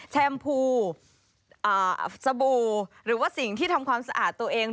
แชมพูสบู่หรือว่าสิ่งที่ทำความสะอาดตัวเอง